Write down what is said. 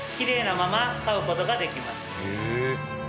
へえ。